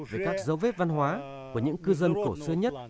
về các dấu vết văn hóa của những cư dân cổ xưa nhất